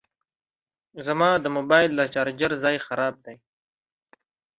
زما د موبایل د چارجر ځای خراب دی